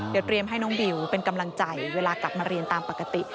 เดี๋ยวเตรียมให้น้องบิวเป็นกำลังใจเวลากลับมาเรียนตามปกติ